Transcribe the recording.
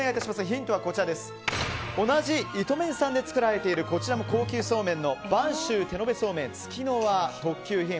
ヒントは同じイトメンさんで作られているこちらも高級そうめんの播州手延そうめん月の輪特級品。